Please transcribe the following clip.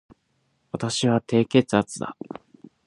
私は低血圧だ